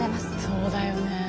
そうだよね。